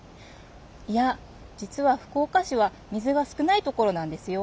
いや実は福岡市は水が少ないところなんですよ。